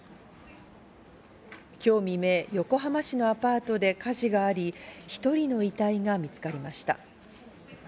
今日未明、横浜市のアパートで火事があり、１人の遺体が見つかりました。